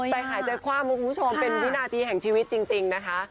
ใจหายใจความคุณผู้ชมเป็นวินาทีแห่งชีวิตจริงนะคะ